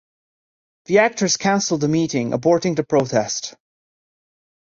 The actors cancelled the meeting, aborting the protest.